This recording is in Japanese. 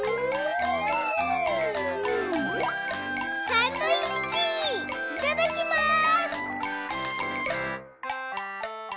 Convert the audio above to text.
サンドイッチいただきます！